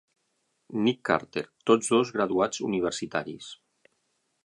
"Nick" Carter, tots dos graduats universitaris.